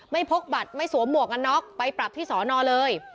พกบัตรไม่สวมหมวกกันน็อกไปปรับที่สอนอเลย